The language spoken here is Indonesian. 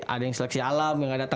ada yang seleksi alam